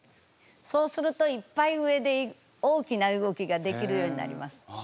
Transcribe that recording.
そうするといっぱい上で大きな動きができるようになります。